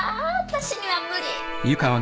私には無理。